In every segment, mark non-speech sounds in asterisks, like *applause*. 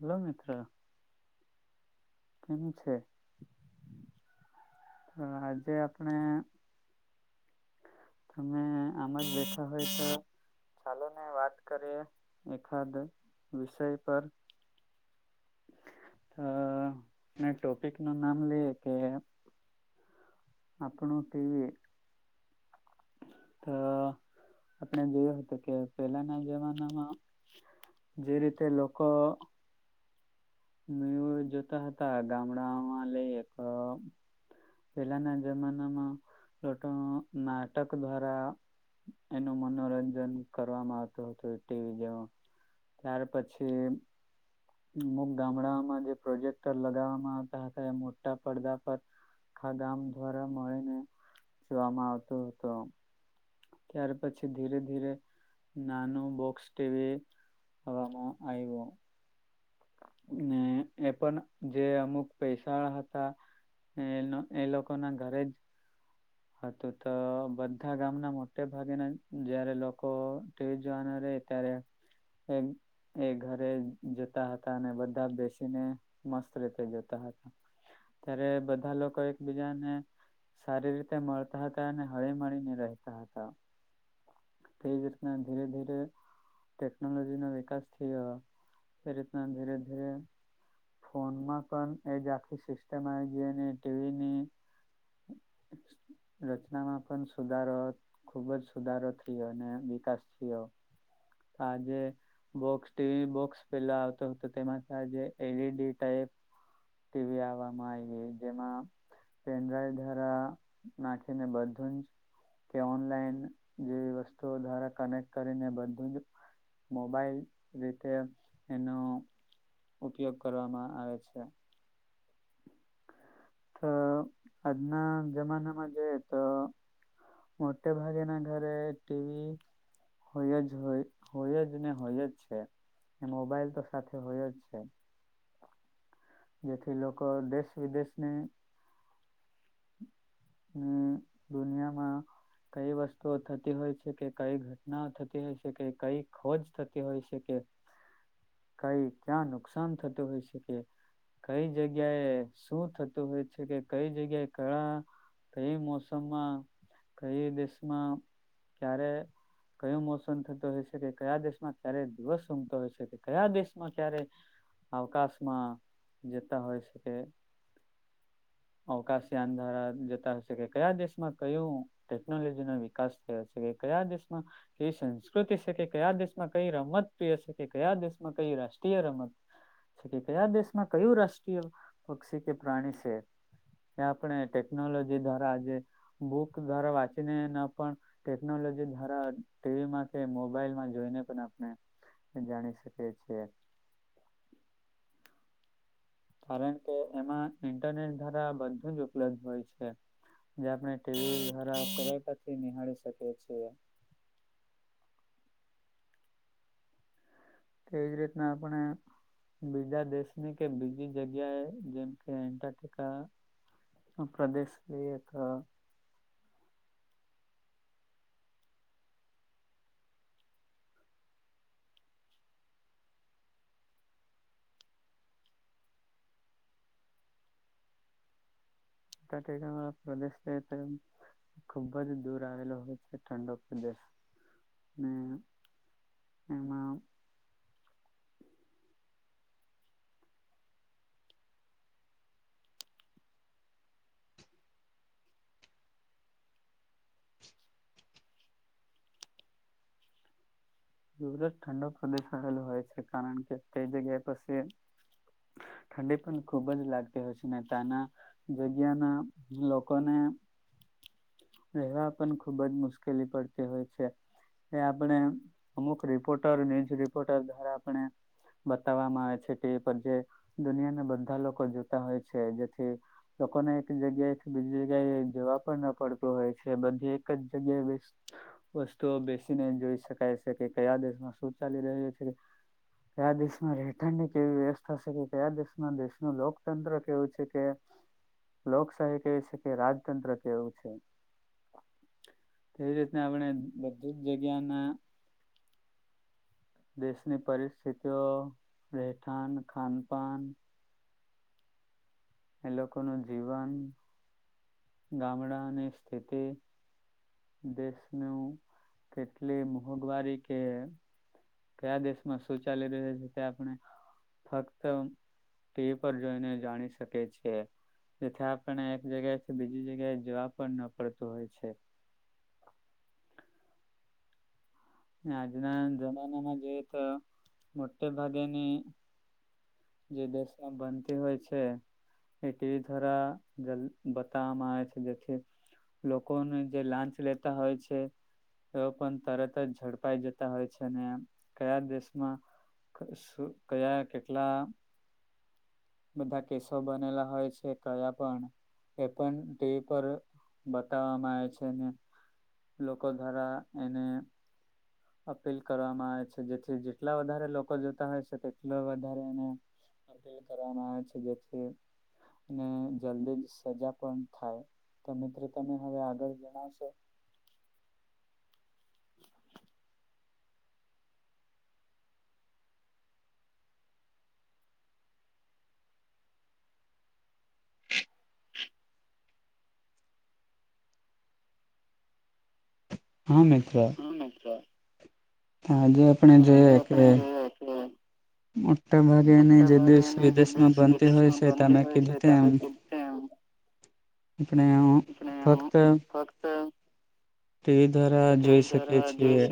Hello મિતિત્ર કેમ છે હ આજે આપણે તમે આર બેઠા હોય તો ચાલો ને વાત કરીએ એકાદ વિષય પર અ ટોપિક નું નામ લઈએ કે આપપણું ટીવી તો આપણે જોયું હતું કે પેલાના જમાનામાં જે રીતે લોકો મે જોતા હતા ગામડામાં લઈ એક પહેલાના જમાનામાં લોકો નાટક દ્વારા એનું મનોરંજન કરવામાં આવતું હતું ટીવી જેવ ત્યાર પછી અમુક ગામડાઓમાં જે પ્રોજેક્ટર લગાવવામાં આવતા હતા એ મોટા પડદા પર આખાગામ દ્વારા મળીને જોવામાં આવતો હતો ત્યાર પછી ધીરે ધીરે નાનું બોક્સ ટવી અરામાં આવીયઓ ને એ પણ જે અમુક પૈસા હતા એ એ લોકો ના ઘરે જ તો બધા ગામના મોટે ભાગેના જયારે લોકો ટીવી જોવાના ર ત્યારે હ એ ઘરે જતા હતા અને બધા બેસીને મસ્ત રીતે જતા હતા ત્યારે બધા લોકો એકબીજાને સારી રીતે મળતા હતા અને હળી મળીને રહેતા હતા તે જ રીતના ધીરે ધીરે ટટેકનોલોજીનો વિકાસ થયો એ રીતના ધીરે ધીરે ફોનમાં પણ એજ આખી સિસ્ટમ આવી ગ અને ટીવીની *inaudible* રચનામાં પણ સુધારો ખુબ જ સુધારો થયો અને વિકાસ થયો કજે બોક્સ ટીવી બોક્સ પેલા આવતો હતો તેમાંથી આજ એલઈડી ટાઈપ ટીવી આવવામાં આવી જેમાં પેન દ્વારા નાખીને બધું જ કે ઓનલાઈન જેવી વસ્તુઓ દ્વારા કનેક્ટ કરીને બધું જ મ મોબાઈલ રીતે એનો ઉપયોગ કરવામાં આવે છે તો આજના જમાનામાં જોઈએ તો મોટે ભાગેના ઘરે ટીવી હોય જ હોય હોય જ ને હોય જ છે એ મોબાઈલ તો સાથે હોય જ છે જેથી લોકો દેશ વિદેશની દુનિયામાં કઈ વસ્તુઓ થતી હોય છે કે કઈ ઘટનાઓ થતી હોય છે કે કઈ ખોજ થતી હોય છે કે કઈ ક્યાં નુકસાન થતું હોય છે કે કઈ જગ્યાએ શું થતું હોય છે કે કઈ જગ્યાએ ઘળ કઈ મોસમમાં કઈ દેશમાં ક્યારે કયો મોસમ થતો હોય છે કે કયા દેશમાં ક્યારે દિવસ ઉગતો હોય છે કે કયા દેશમાં ક્યારે અવકાશમાં જતા હોય શકે અવકાશ યાન ધાર જતા હશે કે કયા દેશમાં કયું ટેકનોલોજી નો વિકાસ થયો હશે કે કયા દેશમાં કઈ સંસ્કૃતિ છે કે કયા દેશમાં કઈ રમતપ્રય છે કે કયા દેશમાં કઈ રા રાષ્ટ્રીય રમત છે કે કયા દેશમાં કયું રાષ્ટ્રીય પક્ષી કે પ્રાણી છે એ આપણે ટેકનોલોજી દ્વારા આજે બુક દ્વારા વાંચીને ન પણ ટેકનોલોજી જે ધાર ટીવીમાં કે મોબાઈલમાં જોઈને પણ આપણે જાણી શકે છે કારણ કે એમાં ઇન્ટરનેટ દ્વારા બધું જ ઉપલબ્ધ હોય છે જે આપણે ટીવી્વારા કર પથી નિહાળી શકીએ છીએ તેજ રીતના આપણે બીજા દેશની કે બીજી જગ્યાએ જેમ કે એન્ટાર્ક્ટિકા પ્રદેશ લ એક એ ઠક પ્રદેશ તો ખૂબ જ દૂર આવેલો હોય છે ઠંડો પ્રદેશ અને હમાં *inaudible* બરત ઠંડો પ્રદેશ આવેલો હોય છે કારણ કે તે જગ્યાએ પછી ઠંડી પણ ખુબ જ લાગતી હોય છે ને તના જગ્યાના લોકોને *inaudible* રહેેવા પણ ખુબ જ મુશ્કેલી પડતી હોય છે એ આપણે અમુક રિપોર્ટર ન્યૂઝ રિપોર્ટર દ્વારા આપણે બતાવવામાં આવે છે ટીવી પર જે દુનિયાના બધા લોકો જોતા હોય છે જેથી લોકોને એક જગ્યાએથી બીજી જગ્યા એ જવા પણ ન પડતું હોય છે બધી એક જ જગ્યાએ વસ્તુઓ બેસીને જોઈ શકાય છે કે કયા દેશમાં શું ચાલી રહ્યું છે કયા દેશમાં રહેઠાણની કેવી વ્યવસ્થા છે કે કયા દેશમાં દેશનું લોકતંત્ર કેવું છે કે લોકશાહી કહે છે કે રાજતંત્ર કેવું છે તે રીતના આપણે બધી જ જગ્યાના દેશની પરિસ્થિતિઓ રહેઠાણ ખાનપાન એ લોકોનું જીવન ગામડાની સ્થિતિ દેશનું કેટલી મોંઘવારી કે કયા દેશમાં શું ચાલી રહ્યું છે તે આપણે ફક્ત ટીવી પર જોઈને જાણી શકે છે. જેથી આપણને એક જગ્યાએથી બીજી જગ્યાએ જોવા પણ ન પડતું હોય છે. *inaudible* આજના જમાનામાં જોઈએ તો મોટે ભાગેની જે દેશમાં બનતી હોય છે. એ ટીવી દ્વારા બતાવામાં આવે છે જેથી લોકોને જે લાંચ લેતા હોય છે તે લોકો ને તરત ઝડપાઈ જતા હોય છે અને કયા દેશમાં સુ કયા કેટલા બધા કેસો બનેલા હોય છે કયા પણ એ પણ ટીવી પર બતાવવામાં આવે છે ને લોકો દ્વારા એને અપીલ કરવામાં આવે છે જેથી જેટલા વધારે લોકો જોતા હોય છે તેટલો વધારે એને અટેલ કરવામાં આવે છે જેથી ને જલ્દી જ સજા પણ થાય તો મિત્રો તમે હવે આગળ જણાવશો હ મિત્ર ત આજે આપણે જોઈએ કે મોટ ભાગે મોટા ભાગની જે બી દેશ વિદેશમાં બનતી હોય છે *unintelligible* *unintelligible* ફક્ત ટીવી દ્વારા જોઈ શકીએ છીએ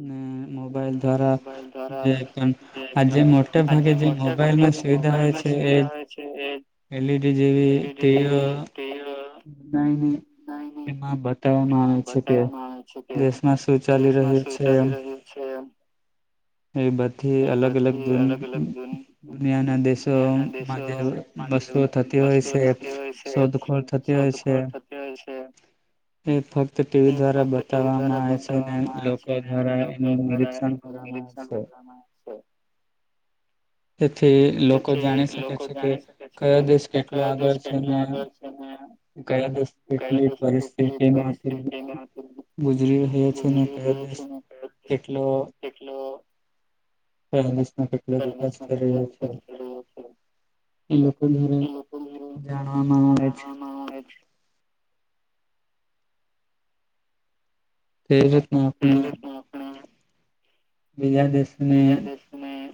અમમ મોબાઈલ દ્વારા જે આ જે મોટા આજે મોટા ભાગે જે મોબાઈલમાં સુવિધા હોય છે એ એલઈડી જેવી ટીવીવાળા એમાં બતાવવામાં આવે છે કે શું કેવાય દેશમાં શું ચાલી રહ્યું છે એમ એ બધી અલગ અલગ જૂની *inaudible* દુનિયાના દેશોમાં જે વસ્તુઓ થતી હોય છે શોધખોળ થતી શોધખોળ થતી હોય છે. એ ફક્ત ટીવી દ્વારા બતાવવામાં આવે છે ને લોકો દ્વારા એનું નિરીક્ષણ કરે નિરીક્ષણ કરવા માં છે. તેથી લોકો જાણી શકે છે કે કયો દેશ કેટલો આગળ છે ને કયા દેશ કેટલી પરિસ્થિતિમાંથી ગુજરી રહ્યા છે ને કયા *unintelligible* કેટલો કયા દેશના કેટલા વિકાસ થઈ રહ્યા છે. એ લોકો દ્વારા જાણવામાં આવે છે. તે રીતના આપણે બીજા દેશની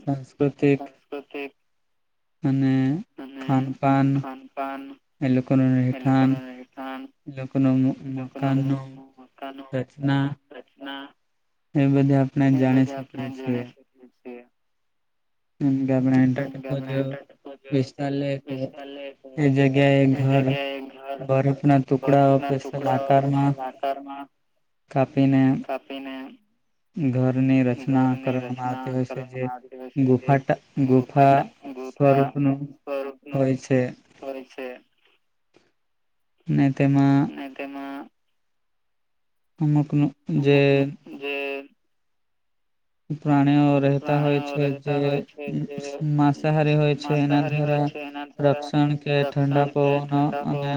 સાંસ્કૃતિક અને ખાનપાન એ લોકોનું રહેથાન એ લોકો નું મકાન નો રચના એ બધે આપણે જાણી શકીએ છીએ. ગામડાની *unintelligible* જોયો વિસ્તાર લિયે તો એ જગ્યા ઘર બરફના ટુકડાઓ સ્પેશ્યલ આકારમાં કાપીને ઘરની રચના કરવામાં આવતી હોય છે જે ગુફા ગુફા સ્વરૂપ નું હોય છે. *inaudible* છે ના તેમાં અમુકનું જે પ્રાણીઓ રહેતા હોય છે, જે માંસાહારી હોય છે એના દ્વારા રક્ષણ કે ઠંડા પવનો અને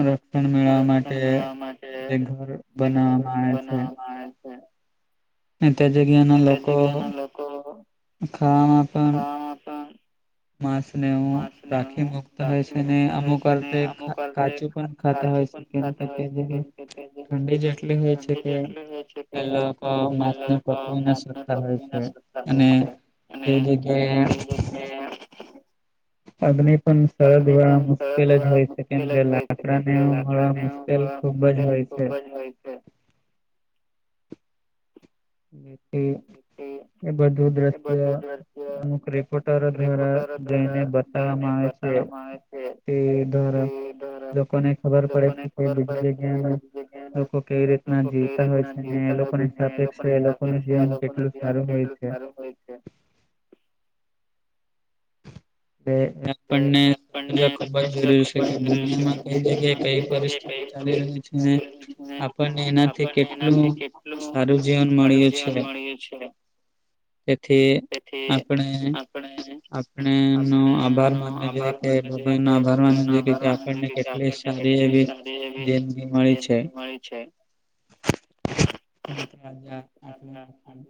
ર રક્ષણ મેળવવા માટે જે ઘર બનાવવામાં આવે છે‌. ને તે જગ્યાના લોકો ઘણા પણ માંસને હું રાખી મુૂકતા હોય છે ને અમુક વાર તે કાચું પણ ખાતા હોય છે. *unintelligible* ઠંડી જેટલી હોય છે કે પહેલોકા નાસ્તો પકવી ના શકતા હોય છે અને તે જગ્યાએ અગ્નિ પણ સરળ વા મુશ્કેલ જ હોય છે કેમ કે લાકડા ને મળવા મુશ્કેલ *unintelligible* ખુબ જ હોય છે. *inaudible* *unintelligible* *inaudible* તે એ બધું દ્રશ્ય અમુક રિપોર્ટરો દ્વારા જઈને બતાવવામાં આવે છે. તે દ્વારા લોકોને ખબર પડે છે કે બીજી જગ્યા નો લોકો કેવી રીતના જીવતા હોય છે ને એ લોકોની સાપેક્ષા એ લોકોનું જીવન કારું હોય છે. તે આપણને ખુબ જજરૂરી છે કે દુનિયામાં કઈ જગ્યાએ કઈ પરિસ્થિતિ *unintelligible* આપણને એનાથી કેટલું સારું જીવન મળ્યું છે. એ છે. તેથી આપણે આપણે નો આભાર માનવ જોઈએ કે ભગવાન નો આભાર માનવો જોઈએ આપણને કેટલી સારી એવી જિંદગી જે ભી મળી છે. તો રાજા *unintelligible*